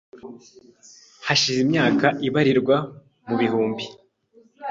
Hashize imyaka ibarirwa mu bihumbi